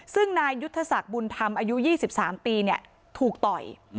ซึ่งนายยุทธศักดิ์บุญธรรมอายุยี่สิบสามปีเนี้ยถูกต่อยอืม